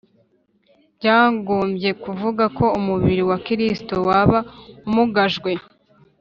byagombye kuvuga ko umubiri wa Kristo waba umugajwe.